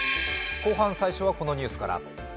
後半最初は、このニュースから。